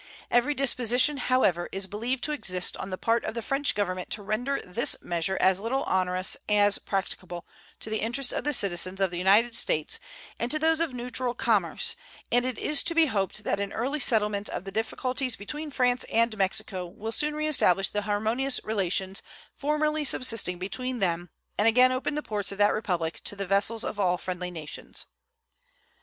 Every disposition, however, is believed to exist on the part of the French Government to render this measure as little onerous as practicable to the interests of the citizens of the United States and to those of neutral commerce, and it is to be hoped that an early settlement of the difficulties between France and Mexico will soon reestablish the harmonious relations formerly subsisting between them and again open the ports of that Republic to the vessels of all friendly nations.